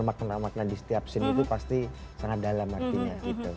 makna makna di setiap scene itu pasti sangat dalam artinya